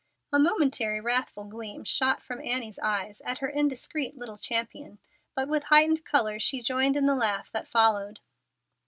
A momentary wrathful gleam shot from Annie's eyes at her indiscreet little champion, but with heightened color she joined in the laugh that followed.